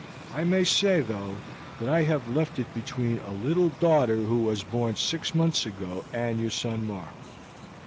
I may say, though, that I have left it between a little daughter who was born six months ago, and your son Mark.